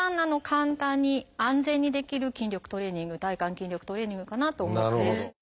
簡単に安全にできる筋力トレーニング体幹筋力トレーニングかなと思うので。